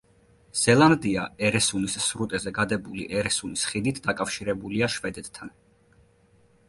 ზელანდია ერესუნის სრუტეზე გადებული ერესუნის ხიდით დაკავშირებულია შვედეთთან.